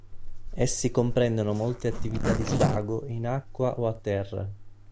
Essi comprendono molte attività di svago in acqua o a terra.